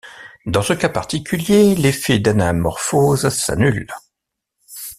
Dans ce cas particulier, l’effet d’anamorphose s’annule.